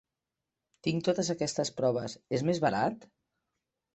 Tinc totes aquestes proves, és més barat?